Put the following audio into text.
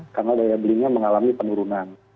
karena daya belinya mengalami penurunan